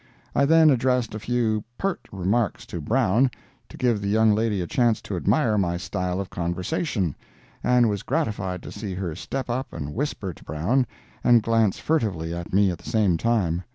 I then addressed a few "peart" remarks to Brown, to give the young lady a chance to admire my style of conversation, and was gratified to see her step up and whisper to Brown and glance furtively at me at the same time.